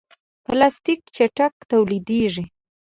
پلاستيک چټک تولیدېږي.